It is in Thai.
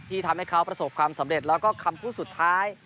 ทำให้เขาประสบความสำเร็จแล้วก็คำพูดสุดท้าย